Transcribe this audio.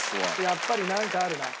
やっぱりなんかあるな。